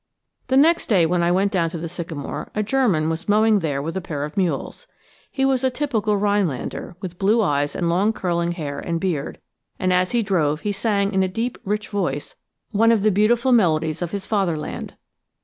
The next day when I went down to the sycamore a German was mowing there with a pair of mules. He was a typical Rhinelander, with blue eyes and long curling hair and beard, and as he drove he sang in a deep rich voice one of the beautiful melodies of his fatherland.